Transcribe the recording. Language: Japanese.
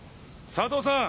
佐藤さん！